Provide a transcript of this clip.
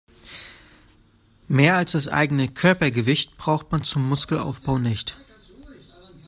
Mehr als das eigene Körpergewicht braucht man zum Muskelaufbau nicht.